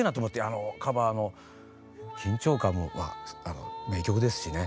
あのカバーの緊張感もまあ名曲ですしね